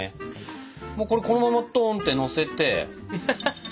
これこのままトンてのせて。